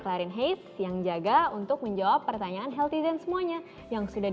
langsung aja yuk kita jawab yang pertama